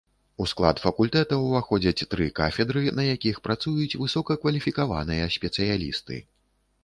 У склад факультэта ўваходзяць тры кафедры, на якіх працуюць высокакваліфікаваныя спецыялісты.